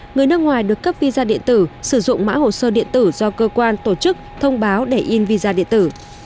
người nước ngoài được cấp visa điện tử sử dụng mã hồ sơ điện tử do cơ quan tổ chức thông báo để in visa điện tử